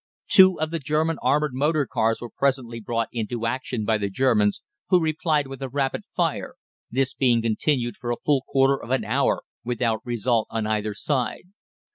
Two of the German armoured motor cars were presently brought into action by the Germans, who replied with a rapid fire, this being continued for a full quarter of an hour without result on either side.